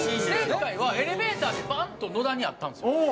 前回はエレベーターでバン！と野田に会ったんですよ。